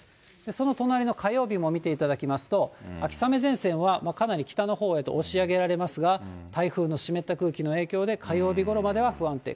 その隣の火曜日も見ていただきますと、秋雨前線はかなり北のほうへと押し上げられますが、台風の湿った空気の影響で、火曜日ごろまでは不安定。